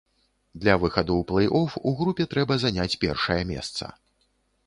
Для выхаду ў плэй-оф у групе трэба заняць першае месца.